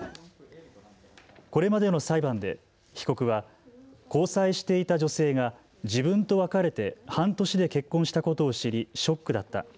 これまでの裁判で被告は交際していた女性が自分と別れて半年で結婚したことを知りショックだった。